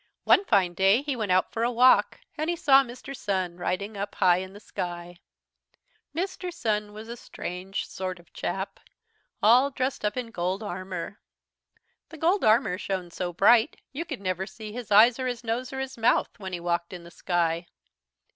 "One fine day he went out for a walk and he saw Mr. Sun riding up high in the sky. Mr. Sun was a strange sort of a chap, all dressed up in gold armour. The gold armour shone so bright you could never see his eyes or his nose or his mouth, when he walked in the sky.